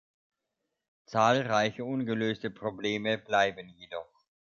Zahlreiche ungelöste Probleme bleiben jedoch.